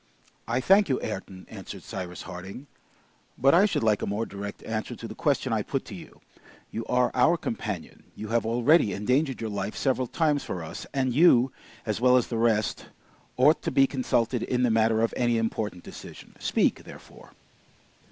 "I thank you, Ayrton," answered Cyrus Harding, "but I should like a more direct answer to the question I put to you. You are our companion; you have already endangered your life several times for us, and you, as well as the rest, ought to be consulted in the matter of any important decision. Speak, therefore."